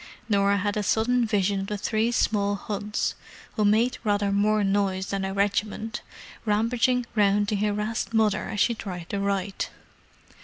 Norah had a sudden vision of the three small Hunts "who made rather more noise than a regiment" rampaging round the harassed mother as she tried to write.